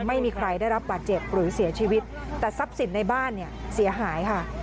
ไม่มีใครได้รับบาดเจ็บหรือเสียชีวิตแต่ทรัพย์สินในบ้านเนี่ยเสียหายค่ะ